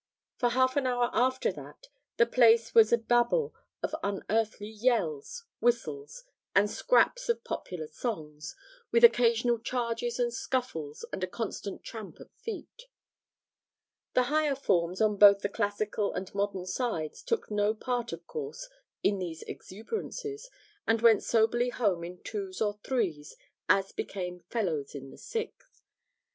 For half an hour after that the place was a Babel of unearthly yells, whistles, and scraps of popular songs, with occasional charges and scuffles and a constant tramp of feet. The higher forms on both the classical and modern sides took no part of course in these exuberances, and went soberly home in twos or threes, as became 'fellows in the Sixth.'